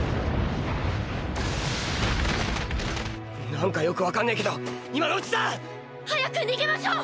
なんかよくわかんねぇけど今のうちだ！早く逃げましょう！